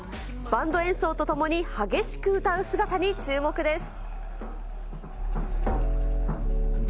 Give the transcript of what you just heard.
バンド演奏とともに激しく歌う姿に注目です。